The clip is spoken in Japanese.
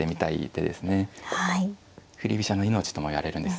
振り飛車の命ともいわれるんです。